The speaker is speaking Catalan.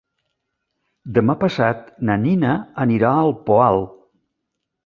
Demà passat na Nina anirà al Poal.